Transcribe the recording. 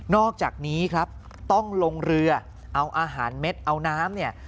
อกจากนี้ครับต้องลงเรือเอาอาหารเม็ดเอาน้ำเนี่ย